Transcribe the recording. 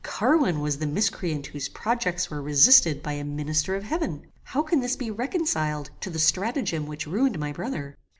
Carwin was the miscreant whose projects were resisted by a minister of heaven. How can this be reconciled to the stratagem which ruined my brother?